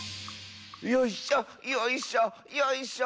「よいしょよいしょよいしょ。